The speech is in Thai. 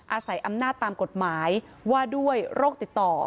อาศัยอำนาจตามกฎหมายว่าด้วยโรคติดต่อ